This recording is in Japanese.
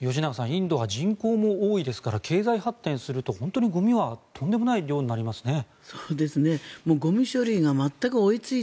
インドは人口も多いですから経済発展すると本当にゴミはとんでもない量になりますね。